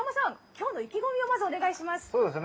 今日の意気込みをお願いします。